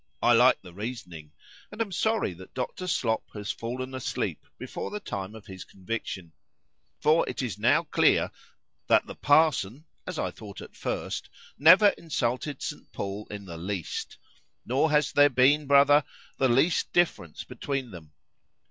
—I like the reasoning,—and am sorry that Dr. Slop has fallen asleep before the time of his conviction:—for it is now clear, that the Parson, as I thought at first, never insulted St. Paul in the least;—nor has there been, brother, the least difference between them.